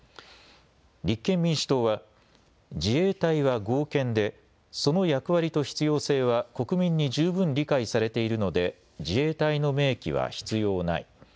立憲民主党は自衛隊は合憲でその役割と必要性は国民に十分理解されているので自衛隊の明記は必要ない。